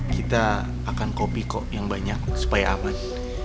kita akan kopi kok yang banyak supaya aman